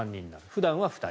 普段は２人。